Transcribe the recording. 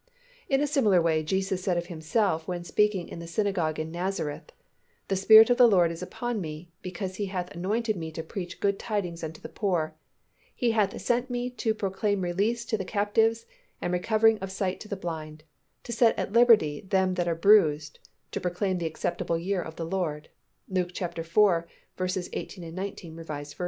In a similar way Jesus said of Himself when speaking in the synagogue in Nazareth, "The Spirit of the Lord is upon Me, because He hath anointed Me to preach good tidings unto the poor; He hath sent Me to proclaim release to the captives, and recovering of sight to the blind, to set at liberty them that are bruised, to proclaim the acceptable year of the Lord" (Luke iv. 18, 19, R. V.).